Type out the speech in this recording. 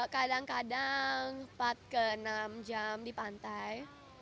kadang kadang empat ke enam jam di pantai